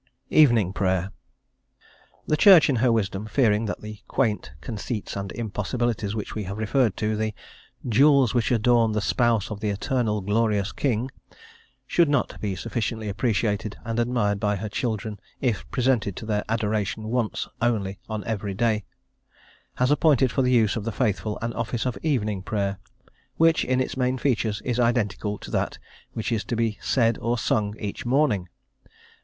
EVENING PRAYER. The Church, in her wisdom, fearing that the quaint conceits and impossibilities which we have referred to, the "Jewels which adorn the spouse of the eternal glorious King," should not be sufficiently appreciated and admired by her children, if presented to their adoration once only on every day, has appointed for the use of the faithful an office of Evening Prayer, which, in its main features, is identical with that which is to be "said or sung" each morning.